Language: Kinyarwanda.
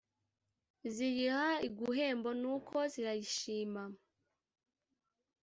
ziyiha iguhembo nuko zirayishima